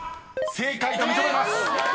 ［正解と認めます。